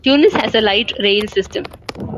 Tunis has a light rail system.